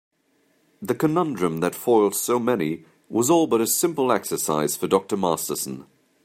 The conundrum that foiled so many was all but a simple exercise for Dr. Masterson.